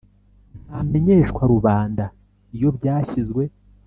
ntamenyeshwa rubanda iyo byashyizwe